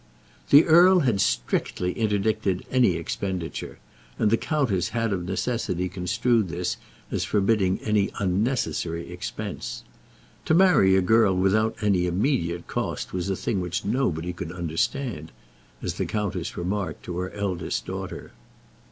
The earl had strictly interdicted any expenditure, and the countess had of necessity construed this as forbidding any unnecessary expense. "To marry a girl without any immediate cost was a thing which nobody could understand," as the countess remarked to her eldest daughter.